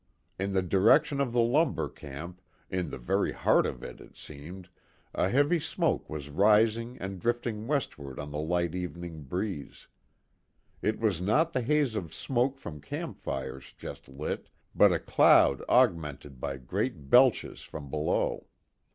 In the direction of the lumber camp, in the very heart of it, it seemed, a heavy smoke was rising and drifting westward on the light evening breeze. It was not the haze of smoke from campfires just lit, but a cloud augmented by great belches from below.